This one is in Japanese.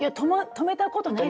止めたことないです。